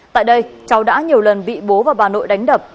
tại đây cháu đã nhiều lần bị bố và bà nội đánh đập